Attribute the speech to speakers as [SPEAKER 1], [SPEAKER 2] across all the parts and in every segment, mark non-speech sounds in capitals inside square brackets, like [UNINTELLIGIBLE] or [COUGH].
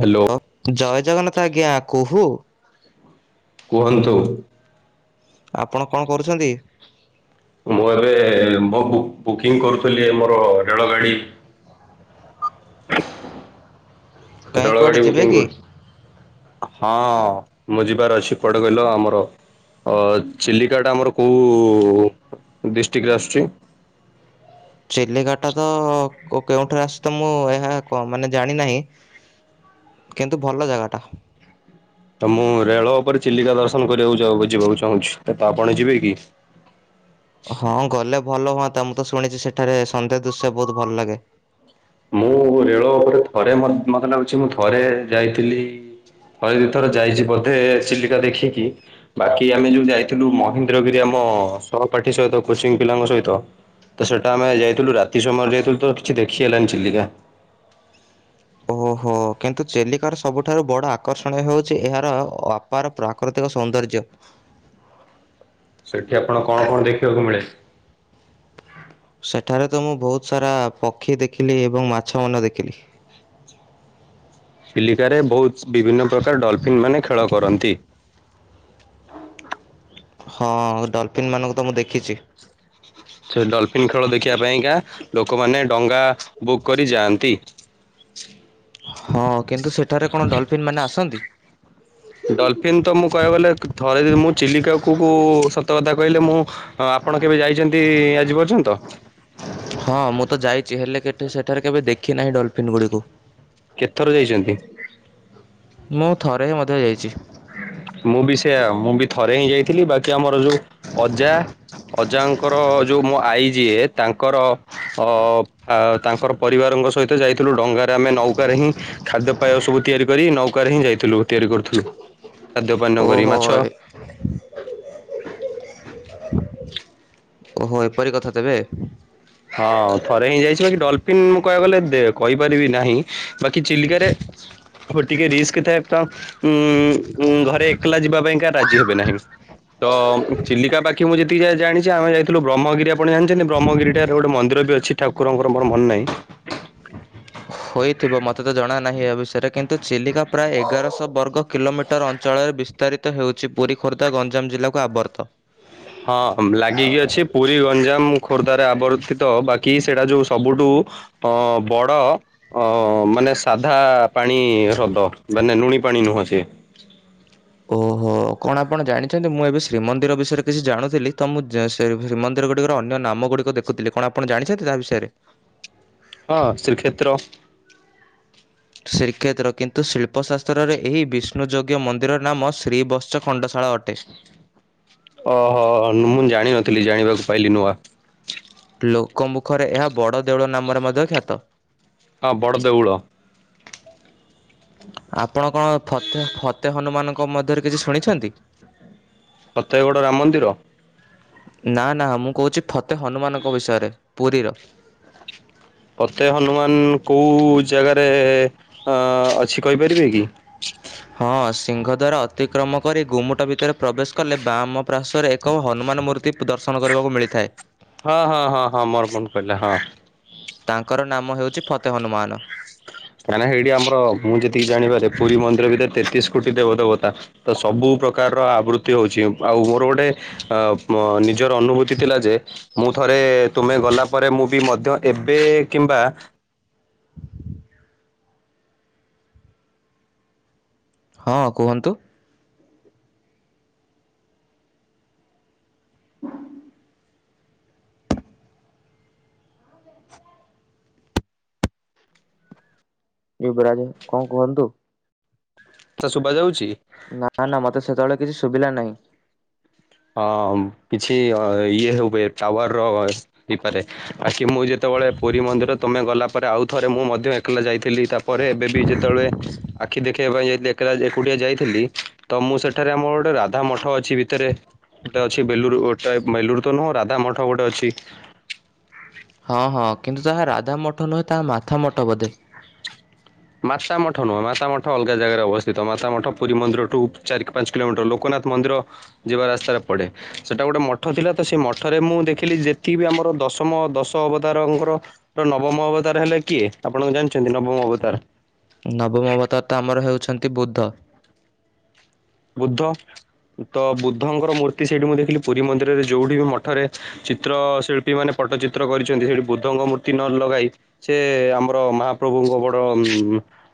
[SPEAKER 1] Hello
[SPEAKER 2] ହୋଉ ଜୟ ଜଗନ୍ନାଥ ଆଜ୍ଞା କୁହୁ।
[SPEAKER 1] କୁହନ୍ତୁ।
[SPEAKER 2] ଆପଣ କଣ କରୁଛନ୍ତି?
[SPEAKER 1] ମୁଁ ଏବେ ବୁକିଂ କରୁଥିଲି ମୋର ରେଳ ଗାଡି।
[SPEAKER 2] କାହିଁ
[SPEAKER 1] ରେଳ
[SPEAKER 2] କୁଆଡ଼େ
[SPEAKER 1] ଗାଡି
[SPEAKER 2] ଯିବେ
[SPEAKER 1] ବୁକିଂ
[SPEAKER 2] କି?
[SPEAKER 1] କରୁଛି। ହଁ। ହଁ ମୁଁ ଯିବାର ଅଛି କୁଆଡେ କହିଲ ଆମର ଅ ଚିଲିକାଟା ଆମର କୋଉ ଡିଷ୍ଟ୍ରିକ୍ଟରେ ଆସୁଛି?
[SPEAKER 2] [INAUDIBLE] ଚିଲିକାଟା ତ କେଉଁଠାରୁ ଆସେ ତ ମୁଁ ଏହା ମାନେ ଜାଣିନାହିଁ। କିନ୍ତୁ ଭଲ ଜାଗାଟା।
[SPEAKER 1] ତ ମୁଁ ରେଳ ଉପରେ ଚିଲିକା ଦର୍ଶନ କରିବାକୁ ଯାଇ ଯିବାକୁ ଚାହୁଁଛି। ତତ ଆପଣ ଯିବେ କି?
[SPEAKER 2] ହଁ ଗଲେ ଭଲ ହୁଅନ୍ତା ମୁଁ ତ ଶୁଣିଛି ସେଠାରେ ସନ୍ଧ୍ୟା ଦୃଶ୍ୟ ବହୁତ ଭଲ ଲାଗେ। [INAUDIBLE]
[SPEAKER 1] ମୁଁ ରେଳ ଉପରେ ଥରେ ମତ ମତେ ଲାଗୁଛି ମୁଁ ଥରେ ଯାଇଥିଲି। ଥରେ ଦିଥର ଯାଇଛି ବୋଧେ ଚିଲିକା ଦେଖିକି ବାକି ଆମେ ଯୋଉ ଯାଇଥିଲୁ ମହେନ୍ଦ୍ରଗିରି ଆମ ହ ହ ସହପାଠୀ ସହିତ କୋଚିଂ ପିଲାଙ୍କ ସହିତ। ତ ସେଟା ଆମେ ଯାଇଥିଲୁ ରାତି ସମୟରେ ଯାଇଥିଲୁ ତ କିଛି ଦେଖି ହେଲାନି ଚିଲିକା।
[SPEAKER 2] ଓ ହୋ କିନ୍ତୁ ଚିଲିକାର ସବୁଠାରୁ ବଡ଼ ଆକର୍ଷଣୀୟ ହେଉଛି ଏହାର ଅପାର ପ୍ରାକୃତିକ ସୌନ୍ଦର୍ଯ୍ୟ। [INAUDIBLE]
[SPEAKER 1] ସେଠି ଆପଣ କଣ କଣ ଦେଖିବାକୁ ମିଳେ।
[SPEAKER 2] ସେଠାରେ ତ ମୁଁ ବହୁତ ସାରା ପକ୍ଷୀ ଦେଖିଲି ଏବଂ ମାଛ ମାନ ଦେଖିଲି। [INAUDIBLE]
[SPEAKER 1] ଚିଲିକାରେ ବହୁତ ବିଭିନ୍ନ ପ୍ରକାର ଡଲଫିନ୍ ମାନେ ଖେଳ କରନ୍ତି।
[SPEAKER 2] ହଁ ଡଲଫିନ ମାନଙ୍କୁ ତ ମୁଁ ଦେଖିଛି।
[SPEAKER 1] ସେ ଡଲଫିିନ ଖେଳ ଦେଖିବା ପାଇଁକା ଲୋକମାନେ ଡଙ୍ଗା ବୁକ୍ କରି ଯାଆନ୍ତି।
[SPEAKER 2] ହଁ କିନ୍ତୁ ସେଠାରେ କଣ ଡଲଫିନ୍ ମାନେ ଆସନ୍ତି?
[SPEAKER 1] ଡଲଫିନ୍ ତ ମୁଁ କହିବାକୁ ଗଲେ ଥରେ ଯଦି ମୁଁ ହଁ ଆପଣ କେବେ ଯାଇଛନ୍ତି ଆଜି ପର୍ଯ୍ୟନ୍ତ?
[SPEAKER 2] ହଁ ମୁଁ ତ ଯାଇଛି ହେଲେ କେଠ ସେଠାରେ କେବେ ଦେଖି ନାହିଁ ଡଲଫିନ୍ ଗୁଡିକୁ।
[SPEAKER 1] କେତ ଥର ଯାଇଛନ୍ତି?
[SPEAKER 2] ମୁଁ ଥରେ ହିଁ ମଧ୍ୟ ଯାଇଛି।
[SPEAKER 1] ମୁଁ ବି ସେଆ ମୁଁ ବି ଥରେ ହିଁ ଯାଇଥିଲି ବାକି ଆମର ଯୋଉ ଅଜା ଅଜାଙ୍କର ଯୋଉ ମୋ ଆଈ ଯିଏ ତାଙ୍କର ଅ ତାଙ୍କର ପରିବାରଙ୍କ ସହିତ ଯାଇଥିଲୁ ଡଙ୍ଗାରେ ଆମେ ନୌକାରେ ହିଁ ଖାଦ୍ୟପାୟ ସବୁ ତିଆରି କରି ନୌକାରେ ହିଁ ଯାଇଥିଲୁ ତିଆରି କରୁଥିଲୁ। ଖାଦ୍ୟ ପାନୀୟ କରି
[SPEAKER 2] ଓହୋ
[SPEAKER 1] ମାଛ।
[SPEAKER 2] ଓହୋ ଏପରି କଥା ତେବେ।
[SPEAKER 1] ହଁ ଥରେ ହିଁ ଯାଇଛି। ବାକି ଡଲଫିନ୍ ମୁଁ କହିବାକୁ ଗଲେ କହିପାରିବି ନାହିଁ ବାକି ଚିଲିକାରେ ଆ ଟିକେ ରିସ୍କ ଥାଏ ତ ଉଁ ଘରେ ଏକଲା ଯିବା ପାଇଁ କା ରାଜି ହେବେ ନାହିଁ। ତ ଚିଲିକା ପାଖି ମୁଁ ଯେତିକି ଜାଣିଛି ଆମେ ଯାଇଥିଲ ବ୍ର୍ମଗିରି ଆପଣ ଜାଣିଛନ୍ତି ବ୍ରହ୍ମଗିରି ଏଠାରେ ଗୋଟେ ମନ୍ଦିର ବି ଅଛି ଠାକୁରଙ୍କର ମୋର ମନେ ନାହିଁ।
[SPEAKER 2] ହୋଇଥିବ ମୋତେ ତ ଜଣା ନାହିଁ ଏ ବିଷୟରେ କିନ୍ତୁ ଚିଲିକା ପ୍ରାୟ ଏଗାରଶହ ବର୍ଗ କିଲୋମିଟର ଅଞ୍ଚଳରେ ବିସ୍ତାରିତ ହେଉଛି ପୁରୀ ଖୋର୍ଦ୍ଧା ଗଞ୍ଜାମ ଜିଲ୍ଲାକୁ ଆବର୍ତ୍ତ
[SPEAKER 1] ହଁ ଲାଗିକି ଅଛି ପୁରୀ ଗଞ୍ଜାମ ଖୋର୍ଦ୍ଧାରେ ଆବର୍ତ୍ତିତ ବାକି ସେଟା ଯୋଉ ସବୁଠୁ ଅ ବଡ଼ ମାନ ମାନେ ସାଧା ପାଣି ହ୍ରଦ ମାନେ ଲୁଣି ପାଣି ନୁହଁ ସେ
[SPEAKER 2] [INAUDIBLE] କଣ ଆପଣ ଜାଣିଛନ୍ତି ମୁଁ ଏବେ ଶ୍ରୀ ମନ୍ଦୀର ବିଷୟରେ କିଛି ଜାଣୁଥିଲି ତ ମୁ [UNINTELLIGIBLE] ଗୁଡ଼ିକ ଦେଖୁଥିଲି କଣ ଆପଣ ଜାଣିଛନ୍ତି ତା ବିଷୟରେ?
[SPEAKER 1] ହଁ ଶ୍ରୀକ୍ଷେତ୍ର।
[SPEAKER 2] ଶ୍ରୀକ୍ଷେତ୍ର କିନ୍ତୁ ଶିଳ୍ପଶାସ୍ତ୍ରରେ ଏହି ବିଷ୍ଣୁ ଯୋଗ୍ୟ ମନ୍ଦିରର ନାମ ଶ୍ରୀ ବତ୍ସ
[SPEAKER 1] ଓହୋ ମୁଁ ଜାଣିନଥିଲି ଜାଣିବାକୁ ପାଇଲି ନୂଆ।
[SPEAKER 2] ଲୋକ ମୁଖରେ ଏହା ବଡ଼ ଦେଉଳ ନାମରେ ମଧ୍ୟ ଖ୍ୟାତ।
[SPEAKER 1] ହଁ ବଡ଼ ଦେଉଳ।
[SPEAKER 2] ଆପଣ କଣ ଫତେ ଫତେ ହନୁମାନଙ୍କ ମଧ୍ୟରେ କିଛି ଶୁଣିଚନ୍ତି?
[SPEAKER 1] ଫତେଗଡ଼ ରାମ ମନ୍ଦିର।
[SPEAKER 2] ନା ନା ମୁଁ କହୁଛି ଫତେ ହନୁମାନଙ୍କ ବିଷୟରେ ପୁରୀର।
[SPEAKER 1] ଫତେ ହନୁମାନ କୋଉ ଜାଗାରେ ଆ ଅଛି କହିପାରିବେ କି?
[SPEAKER 2] ହଁ ସିଂଘଦ୍ୱାରା ଅତିକ୍ରମ କରି ଗୁମୁଟ ଭିତରେ ପ୍ରବେଶ କଲେ ବାମ ପ୍ରାସ ରେ ଏକ ହନୁମାନ ମୂର୍ତ୍ତି ଦର୍ଶନ କରିବାକୁ ମିଳିଥାଏ।
[SPEAKER 1] ହଁ ହଁ ହଁ ହଁ ମର ମନ ପଇଲା ହଁ।
[SPEAKER 2] ତାଙ୍କର ନାମ ହେଉଛି ଫତେ ହନୁମାନ।
[SPEAKER 1] ତ୍ରାଣ ନା ହେଇଟି ଆମର ମୁଁ ଯେତିକି ଜାଣିବାରେ ପୁରୀ ମନ୍ଦିର ଭିତରେ ତେତିଶ କୋଟି ଦେବ ଦେବତା ତ ସବୁ ପ୍ରକାର ର ଆବୃତି ହଉଛି ଆଉ ମୋର ଗୋଟେ ଅମ ନିଜର ଅନୁଭୂତି ଥିଲା ଯେ ମୁଁ ଥରେ ତୁମେ ଗଲା ପରେ ମୁଁ ବି ମଧ୍ୟ ଏବେ କିମ୍ବା
[SPEAKER 2] ହଁ କୁହନ୍ତୁ। ଯୁବରାଜ କଣ କୁହନ୍ତୁ।
[SPEAKER 1] ତା ଶୁବା ଯାଉଛି?
[SPEAKER 2] ନା ନା ମତେ ସେତବେଳେ କିଛି ସୁଭିଲା ନାହିଁ।
[SPEAKER 1] ଅମ କିଛି ଅ ଇଏ ହେଉବେ ପାୱାର ର ହେଇପାରେ ବାକି ମୁଁ ଯେତେବ ଯେତବେଳେ ପୁରୀ ମନ୍ଦିର ତମେ ଗଲା ପରେ ଆଉ ଥରେ ମୁଁ ମଧ୍ୟ ଏକଲା ଯାଇଥିଲି ତାପରେ ଏବେ ବି ଯେତବେଳେ ଆଖି ଦେଖେଇବା ପାଇଁ ଯାଇଥିଲି ଏକଟ ଏକୁଟିଆ ଯାଇଥିଲି ତ ମୁଁ ସେଠାରେ ଆମର ଗୋଟିେ ରାଧା ମଠ ଅଛି ଭିତରେ ଗୋଟେ ଅଛି ବେଲୁରୁ ଗୋଟେ ବେଲୁରୁ ତ ନୁହଁ ରାଧା ମଠ ଗୋଟେ ଅଛି।
[SPEAKER 2] ହଁ ହଁ କିନ୍ତୁ ତାହା ରାଧା ମଠ ନୁହେଁ ତାହା ମାଥା ମଟ ବୋଧେ।
[SPEAKER 1] ମାତା ମଠ ନୁହଁ ମାତା ମଠ ଅଲଗା ଜାଗାରେ ଅବସ୍ଥିତ ମାତା ମଠ ପୁରୀ ମନ୍ଦିରଠୁ ଚାରି ପାଞ୍ଚ କିଲୋମିଟର ଲୋକ ନା ନାଥ ମନ୍ଦିର ଯିବା ରାସ୍ତାରେ ପଡେ ସେଟା ଗୋଟେ ମଠ ଥିଲା ତ ସେଇ ମଠରେ ମୁଁ ଦେଖିଲି ଯେତିକି ଆମର ଦଶମ ଦଶ ଅବତାରଙ୍କର ନବମ ଅବତାର ହେଲେ କିଏ ଆପଣ ଜାଣିଛନ୍ତି ନବମ ଅବତାର?
[SPEAKER 2] ନବମଅବତାର ତ ଆମର ହେଉଛନ୍ତି ବୁଦ୍ଧ।
[SPEAKER 1] ବୁଦ୍ଧ। ତ ବୁଦ୍ଧଙ୍କର ମୂର୍ତ୍ତି ସେଇଠି ମୁଁ ଦେଖିଲି ପୁରୀ ମନ୍ଦିରରେ ଯୋଉଠି ବି ମଠରେ ଚିତ୍ର ଶିଳ୍ପୀ ମାନେ ଫଟ୍ଟଚିତ୍ର କରିଛନ୍ତି ସେଇଠି ବୁଦ୍ଧଙ୍କ ମୂର୍ତ୍ତି ନ ଲଗାଇ ସେ ଆମର ମହାପ୍ରଭୁଙ୍କ ବଡ଼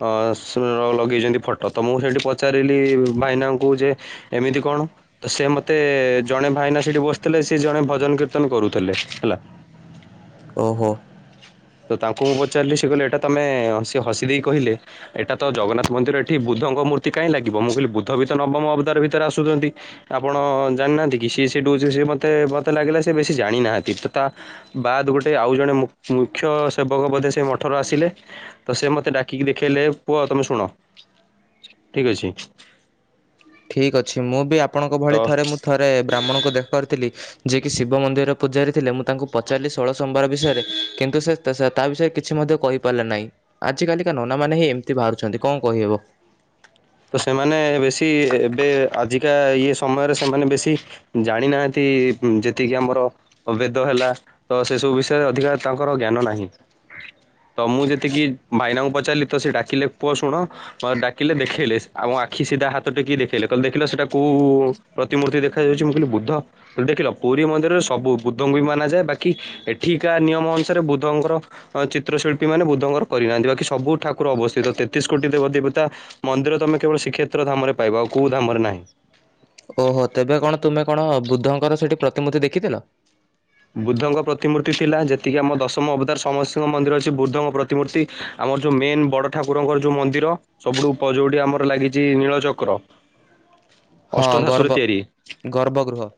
[SPEAKER 1] ଅ ସେ ଲଗେଇଛନ୍ତି ଫଟ ତ ମୁଁ ସେଠି ପଚାରିଲି ଭାଇନାଙ୍କୁ ଯେ ଏମିତି କଣ ତ ସେ ମତେ ଜଣେ ଭାଇନା ସେଠି ବସିଥିଲେ ସେ ଜଣେ ଭଜନ କୀର୍ତ୍ତନ କରୁଥିଲେ ହେଲା।
[SPEAKER 2] ଓହୋ।
[SPEAKER 1] ତ ତାଙ୍କୁ ମୁଁ ପଚାରିଲି ସେ କହିଲେ ଏଇଟା ତମେ ସେ ହସି ଦେଇ କହିଲେ ଏଇଟା ତ ଜଗନ୍ନାଥ ମନ୍ଦିର ଏଠି ବୁଦ୍ଧଙ୍କ ମୂର୍ତି କାଇଁ ଲାଗିବ ମୁଁ କହିଲି ବୁଦ୍ଧ ନବମ ଅବତାର ଭିତରେ ଆସୁଛନ୍ତି ଆପଣ ଜାଣିନାହାନ୍ତି କି ସିଏ ସେଠୁଛି ମତେ ମତେ ଲାଗିଲା ସେ କି ଜାଣିନାହାନ୍ତି ତ ତା ବାଦ ଗୋଟେ ଆଉ ଜଣେ ମୁକ କୁ ମୁଖ୍ୟ ସେବକ ବୋଧେ ସେ ମଠର ଆସିଲେ ତ ସେ ମତେ ଡାକିକି ଦେଖେଇଲେ ପୁଅ ତମେ ଶୁଣ। ଠିକ ଅଛି।
[SPEAKER 2] ଠିକ୍ ଅଛି ମୁଁ ବି ଆପଣଙ୍କ ଭଳି
[SPEAKER 1] ତ
[SPEAKER 2] ଥରେ ମୁଁ ଥରେ ବ୍ରାହ୍ମଣଙ୍କୁ ଦେଖା କରିଥିଲି ଯିଏକ ଶିବ ମନ୍ଦିର ପୂଜାରି ଥିଲେ ମୁଁ ତାଙ୍କୁ ପଚିଲି ଷୋଳ ସୋମବାର ବିଷୟରେ କିନ୍ତୁ ସେ ତା ବିଷୟରେ କିଛି ମଧ୍ୟ କହି ପାରିଲା ନାହିଁ ଆଜିକାିକା ନନା ମ ହିଁ ଏମିତି ବାହାରୁଛନ୍ତି ଏ କଣ କହିହେବ?
[SPEAKER 1] ତ ସେମାନେ ବେଶୀ ଏବେ ଆଜିକା ଇଏ ସମୟରେ ସେମାନେ ବେଶୀ ଜାଣିନାହାନ୍ତି। ଯେତିକି ଆମର ଭେଦ ହେଲା ତ ସେ ସବୁ ବିଷୟରେ ଅଧିକା ତାଙ୍କର ଜ୍ଞାନ ନାହିଁ।
[SPEAKER 2] [INAUDIBLE]
[SPEAKER 1] ତ ମୁଁ ଯେତିକି ଭାଇନାଙ୍କୁ ପଚାରିଲି ତ ସେ ଡାକିଲେ ପୁଅ ଶୁଣ ଡାକିଲେ ଦେଖେଇଲେ। ଆଉ ଆଖି ସିଧା ହାତ ଟେକି ଦେଖେଇଲେ କହିଲେ ଦେଖିଲ ସେଟା କୋଉ ପ୍ରତିମୂର୍ତ୍ତି ଦେଖା ଯାଉଛି ମୁଁ କହିଲି ବୁଦ୍ଧ ଦେଖିଲ ପୁରୀ ମନ୍ଦିରରେ ସବୁ ବୁଦ୍ଧଙ୍କୁ ବି ମାନଯାଏ ବାକି ଏଠିକା ନିୟମ ଅନୁସାରେ ବୁଦ୍ଧଙ୍କର ଚିତ୍ରଶିଳ୍ପୀ ମାନ ବୁଦ୍ଧଙ୍କର କରିନାହାନ୍ତି ବାକି ସବୁ ଠାର ଅବସ୍ଥିତ ତେତିଶ କୋଟି ଦେବ ଦେବତା ମନ୍ଦିର ତମେ କେବଳ ଶ୍ରୀକ୍ଷେତ୍ର ଧାମରେ ପାଇବା ଆଉ କୋଉ ଧାମରେ ନାହିଁ।
[SPEAKER 2] ଓହୋ ତେବେ କଣ ତୁମେ କଣ ବୁଦ୍ଧଙ୍କର ସେଇଠି ପ୍ରତିମୂର୍ତ୍ତି ଦେଖିଥିଲ?
[SPEAKER 1] ବୁଦ୍ଧଙ୍କ ପ୍ରତିମୂର୍ତ୍ତି ଥିଲା ଯେତିକି ଆମ ଦଶମ ଅବତାର ସମସ୍ତତିଙ୍କ ମନ୍ଦିର ଅଛି ବୁଦ୍ଧଙ୍କ ପ୍ରତିମୂର୍ତ୍ତି ଆମର ଯେଉଁ ମେନ୍ ବଡ ଠାକୁରଙ୍କର ଯୋଉ ମନ୍ଦିର ସବୁଠୁ ଉପର ଯୋଉଠି ଆମର ଲାଗିଛି ନୀଳଚକ୍ର
[SPEAKER 2] ହଁ
[SPEAKER 1] ଅଷ୍ଟ ଧାତୁରେ
[SPEAKER 2] ଗର୍ଭ
[SPEAKER 1] ତିଆରି
[SPEAKER 2] ଗର୍ଭଗୃହ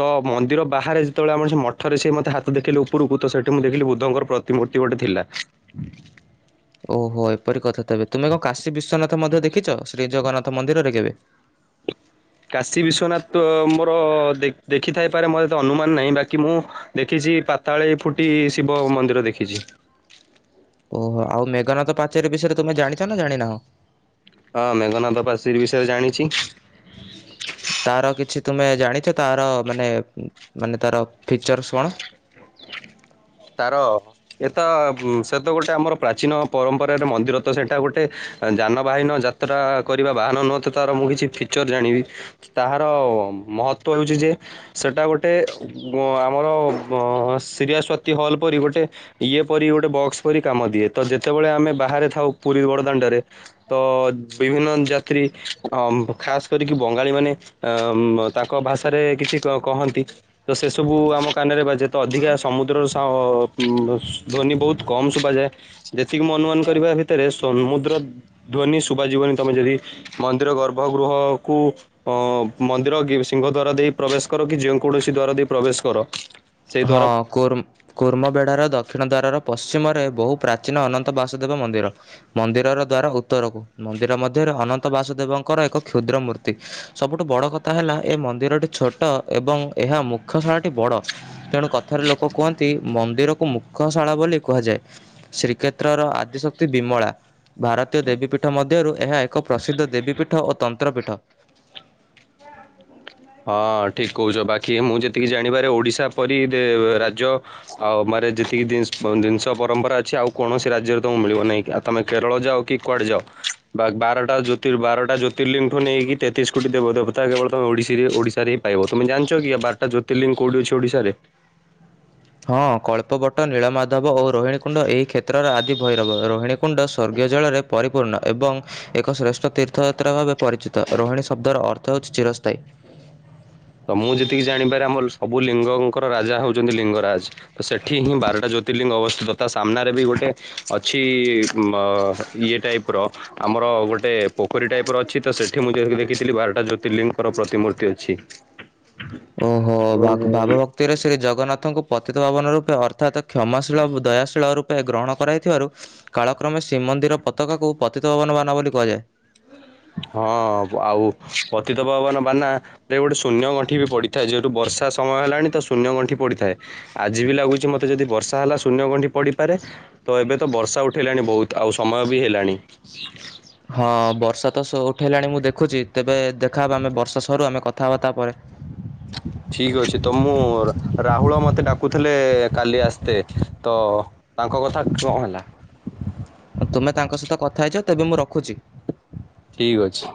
[SPEAKER 1] ତ ମନ୍ଦିର ବାହାରେ ଯେତେବେଳେ ଆମର ସେ ମଠରେ ସେ ମତେ ହାତ ଦେଖିଲେ ଉପରକୁ ତ ସେଠି ମୁଁ ଦେଖିଲି ବୁଦ୍ଧଙ୍କର ପ୍ରତିମୂର୍ତ୍ତି ଗୋଟେ ଥିଲା।
[SPEAKER 2] ଓହୋ ଏପରି କଥା ତବେ ତୁମେ କଣ କାଶୀ ବିଶ୍ୱନାଥ ମଧ୍ୟ ଦେଖିଛ? ଶ୍ରୀଜଗନ୍ନାଥ ମନ୍ଦିରରେ କେବେ?
[SPEAKER 1] କାଶୀ ବିଶ୍ୱନାଥ ମୋର ଦେଖି ଥାଇପାରେ ମୋର ତ ଅନୁମାନ ନାହିଁ ବାକି ମୁଁ ଦେଖିଛି ପାତାଳ ଫୁଟି ଶିବ ମନ୍ଦିର ଦେଖି [INAUDIBLE]
[SPEAKER 2] ଓହୋ ଆଉ ମେଘନାଦ ପାଚେରୀ ବିଷୟରେ ତୁମେ ଜାଣିଛ ନା ଜାଣିି ନାହ
[SPEAKER 1] ହଁ ମେଘନାଥ ପଚେରି ବିଷୟରେ ଜାଣିଛି।
[SPEAKER 2] ତାର କିଛି ତୁମେ ଜାଣିଛ ତାର ମାନେ ମାନେ ତାର ଫିଚର୍ସ କଣ?
[SPEAKER 1] ଏଟ ସେ ତ ଗୋଟେ ଆମର ପ୍ରାଚୀନ ପରମ୍ପରାରେ ମନ୍ଦିର ତ ସେଇଟା ଗୋଟେ ଯାନବାହିନ ଯାତ୍ରା କରିବା ବାହାନ ନୁହ ତ ତାର ମୁଁ କିଛି ଫିଚର ଜାଣିବି ତାହାର ମହତ୍ଵ ହଉଛି ଯେ ସେଟା ଗୋଟେ ଗଁ ଆମର ଅଁ ସିରିଆସ୍ୱତି ହଲ୍ ପରି ଗୋଟେ ଇଏ ପରି ଗୋଟେ ବକ୍ସ ପରି କାମ ଦିଏ ତ ଯେତେବେଳେ ଆମେ ବାହାରେ ଥାଉ ପୁରୀ ବଡ଼ଦାଣ୍ଡଟାରେ ତ ବିଭିନ୍ନ ଯାତ୍ରୀ ଖାସ୍ କରିକି ବଙ୍ଗାଳୀମାନେ ଅଁ ତାଙ୍କ ଭାଷାରେ କିଛି କହନ୍ତି ତ ସେସବୁ ଆମ କାନରେ ବାଯେ ତ ଅଧିକା ସମୁଦ୍ରର ସାଉ ଧ୍ୱନି ବହୁତ କମ୍ ଶୁଭାଯାଏ ଯେତିକି ମୁଁ ଅନୁମାନ କରିବା ଭିତରେ ସମୁଦ୍ର ଧ୍ୱନି ଶୁବାଜୀବନୀ ତୁମେ ଯଦି ମନ୍ଦିର ଗର୍ଭଗୃହକୁ ଅଁ ମନ୍ଦିର କି ସିଂହ ଦ୍ଵାର ଦେଇ ପ୍ରବେଶ କର କି ଯେ କୌଣସି ଦ୍ଵାରା ଦେଇ ପ୍ରବେଶ କର ସେଇ
[SPEAKER 2] ହଁ
[SPEAKER 1] ଦ୍ଵାର
[SPEAKER 2] କୁର୍ମ କୁର୍ମବେେଢାର ଦକ୍ଷିଣ ଦ୍ୱାରର ପଶ୍ଚିମରେ ବହୁ ପ୍ରାଚୀନ ଅନନ୍ତ ବାସୁଦେବ ମନ୍ଦିର ମନ୍ଦିରର ଦ୍ଵାରା ଉତ୍ତରକୁ ମନ୍ଦିର ମଧ୍ୟରେ ଅନନ୍ତ ବାସୁଦେବଙ୍କର ଏକ କ୍ଷୁଦ୍ର ମୂର୍ତ୍ତି ସବୁଠୁ ବଡ଼ କଥା ହେଲା ଏ ମନ୍ଦିରଟି ଛୋଟ ଏବଂ ଏହା ମୁଖ୍ୟଶାଳାଟି ବଡ଼ ତେଣୁ କଥାରେ ଲୋକ କୁହନ୍ତି ମନ୍ଦିରକୁ ମୁଖ ଶାଳା ବୋଲି କୁହାଯାଏ ଶ୍ରୀକ୍ଷେତ୍ରର ଆଦ୍ୟଶକ୍ତି ବିମଳା ଭାରତୀୟ ଦେବୀପୀଠ ମଧ୍ୟରୁ ଏହା ଏକ ପ୍ରସିଦ୍ଧ ଦେବୀପୀଠ ଓ ତନ୍ତ୍ରପୀଠ। ହଁ [UNINTELLIGIBLE]
[SPEAKER 1] କି ମୁଁ ଯେତିକି ଜାଣିବାରେ ଓଡିଶା ପରି ରାଜ୍ୟ ଆଉ ମାରେ ଯେତିକି ଜିନିଷ ପରମ୍ପରା ଅଛି ଆଉ କୌଣସି ରାଜ୍ୟରେ ତମ ମିଳିବ ନାହିଁଉ ତମେ କେରଳ ଯାଅ କି କୁଆଡେ ଯା ବା ବାରଟା ବାରଟା ଜ୍ୟୋତିର୍ଲିଙ୍ଗ ନେଇକି ତେତିଶ କୋଟି ଦେବ ଦେବତା। କେବଳଓଡିସ। ରେ। ଓଡିଶାରେ ହିଁ ପାଇବ ତମେ ଜାଣିଛ କି ବାରଟା ଜ୍ୟୋତିର୍ଲିଙ୍ଗ କୋଉଠି ଅଛି ଓଡିଶାରେ?
[SPEAKER 2] ହଁ କଳ୍ପବଟ ନୀଳମାଧବ ଓ ରୋହିଣୀକୁୁଣ୍ଡ ଏହି କ୍ଷେତ୍ରର ଆଦି ଭୈରବ ରୋହିଣୀ କୁଣ୍ଡ ସ୍ୱର୍ଗିଅ ଜଳରେ ପରି ପୂର୍ଣ ଏବଂ ଏକ ଶ୍ରେଷ୍ଠ ତୀର୍ଥଯାତ୍ରା ଭାବେ ପରିଚିତ ରୋହିଣୀ ଶବ୍ଦର ଅର୍ଥ ହେଉଛି ଚିରସ୍ଥାୟୀ। [INAUDIBLE]
[SPEAKER 1] ତ ମୁଁ ଯେତିକି ଜାଣିପାରେ ଆମ ସବୁ ଲିଙ୍ଗଙ୍କର ରାଜା ହଉଛନ୍ତି ଲିଙ୍ଗରାଜ। ତ ସେଠି ହିଁ ବାରଟା ଜ୍ୟୋତିର୍ଲିଙ୍ଗ ଅବସ୍ଥିତ ତଥା ସାମ୍ନାରେ ବି ଗୋଟେ ଅଛି ମଁ ଏଇ ଟାଇପ ର ଆମର ଗୋଟେ ପୋଖରୀ ଟାଇପ ର ଅଛି ତ ସେଇଠି ମୁଁ ଦେଖିଥିଲି ବାରଟା ଜ୍ୟୋତିର୍ଲିଙ୍ଗର ପ୍ରତିମୂର୍ତ୍ତି ଅଛି।
[SPEAKER 2] ଓହୋ ଭା
[SPEAKER 1] ଓହୋ।
[SPEAKER 2] ଭାବ ଭକ୍ତିରେ ଶ୍ରୀ ଜଗନ୍ନାଥଙ୍କୁ ପତିତ ଭାବନ ରୂପେ ଅର୍ଥାତ୍ କ୍ଷମାଶୀଳ ଦୟାଶୀଳ ରୂପେ ଗ୍ରହଣ କରାଇଥିବାରୁ କାଳକ୍ରମେ ଶ୍ରୀମନ୍ଦିର ପତାକାକୁ ପତିତପାବନ ବାନା ବୋଲି କୁହାଯାଏ।
[SPEAKER 1] ହଁ ଆଉ ପତିତ ଭବାନ ବାନା ରେ ଗୋଟେ ଶୂନ୍ୟ ଗଣ୍ଠି ବି ପଡିଥାଏ ଯଠୁ ବ ବର୍ଷା ସମୟ ହେଲାଣି ତ ଶୂନ୍ୟ ଗଣ୍ଠି ପଡ଼ିଥାଏ ଆଜି ବି ଲାଗୁଛି ମୋତେ ଯଦି ବର୍ଷା ହେଲା ଶୂନ୍ୟ ଗଣ୍ଠି ପଡ଼ିପାରେ ତ ଏବେ ତ ବର୍ଷା ଉଠେଇଲାଣି ବହୁତ ଆଉ ସମୟ ବି ହେଲାଣି
[SPEAKER 2] ହଁ ବର୍ଷା ତ ଉଠେଇଲାଣି ମୁଁ ଦେଖୁଛି ତେବେ ଦେଖାହବ ଆମେ ବର୍ଷା ସରୁ ଆମେ କଥାବାର୍ତ୍ତା ପରେ।
[SPEAKER 1] ଠିକ ଅଛି ତ ମୁଁ ରାହୁଳ ମତେ ଡାକୁଥିଲେ କାଲି ଆସେ ତ ତାଙ୍କ କଥା କଣ ହେଲା
[SPEAKER 2] ତୂମେ ତାଙ୍କ ସହିତ କଥା ହେଇଛ? ତେବେ ମୁଁ ରଖୁଛି
[SPEAKER 1] ଠିକ ଅଛି